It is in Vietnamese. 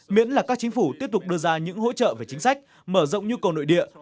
miễn là các chính phủ tiếp tục đưa ra những hỗ trợ về chính sách mở rộng nhu cầu nội địa